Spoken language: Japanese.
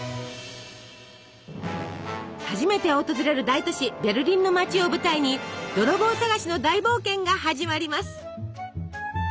初めて訪れる大都市ベルリンの街を舞台に泥棒捜しの大冒険が始まります。